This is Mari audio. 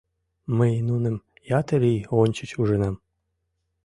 Мый нуным ятыр ий ончыч ужынам.